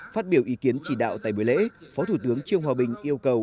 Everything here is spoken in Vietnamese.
phát biểu ý kiến chỉ đạo tại buổi lễ phó thủ tướng trương hòa bình yêu cầu